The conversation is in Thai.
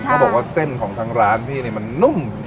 เขาบอกว่าเส้นของทางร้านพี่เนี่ยมันนุ่ม